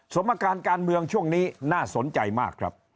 สมการการเมืองช่วงนี้น่าสนใจมากครับ